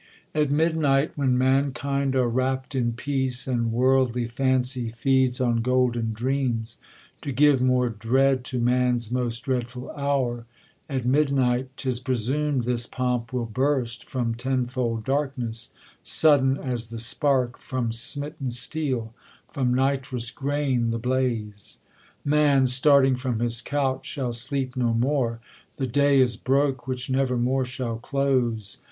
AT midnight, when mankind are wrap'd in peace, And worldly fancy feeds on golden dreams ; To give more dread to man's most dreadful hour ; At midnight, 'tis presum'd, this pomp will burst From tenfold darkness ; sudden as the spark yrom smitten steel ; from nitrous grain the blaze. Man, starting from his couch, shall sleep no more ! The day is broke which never more shall close!